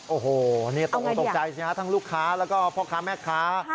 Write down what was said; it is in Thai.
โอ้โหตกใจจริงทั้งลูกค้าแล้วก็พ่อค้าแม่ค้า